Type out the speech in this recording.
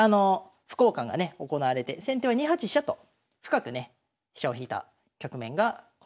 歩交換がね行われて先手は２八飛車と深くね飛車を引いた局面がこの局面ですね。